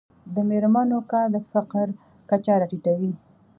د میرمنو کار د فقر کچه راټیټوي.